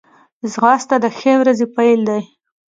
ځغاسته د ښې ورځې پیل دی